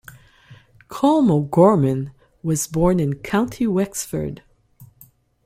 Colm O'Gorman was born in County Wexford.